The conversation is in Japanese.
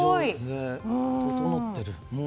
整ってる。